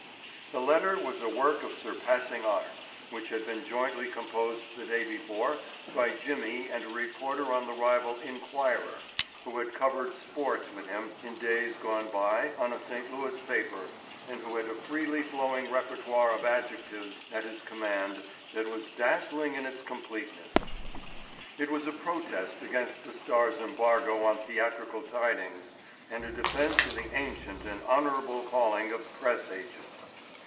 The letter was a work of surpassing art which had been jointly composed the day before by Jimmy and a reporter on the rival Inquirer who had covered "sports" with him in days gone by on a St. Louis paper and who had a freely flowing repertoire of adjectives at his command that was dazzling in its completeness. It was a protest against the Star's embargo on theatrical tidings and a defense of the ancient and honorable calling of press agent.